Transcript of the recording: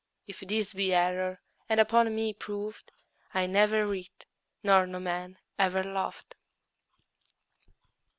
If this be error and upon me proved, I never writ, nor no man ever loved.